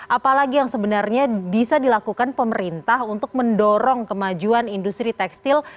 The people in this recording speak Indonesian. apalagi yang sebenarnya bisa dilakukan pemerintah untuk mendorong kemajuan industri tekstil